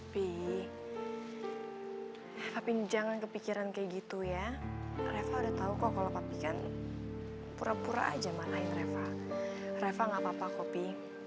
pi papi jangan kepikiran kayak gitu ya reva udah tau kok kalau papi kan pura pura aja marahin reva reva gak apa apa kok pi